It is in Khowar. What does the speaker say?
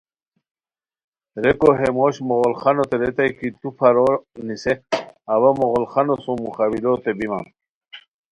ریکو ہے موش مغل خانوتے ریتائے کی تو پھارو نیسے، اوا مغل خانو سوم مقابلوتے بیمان